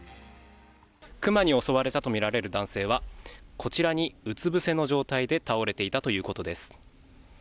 熊に襲われたとみられる男性はこちらに、うつ伏せの状態で倒れていたということです。